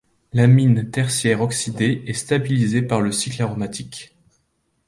L'amine tertiaire oxydée est stabilisée par le cycle aromatique.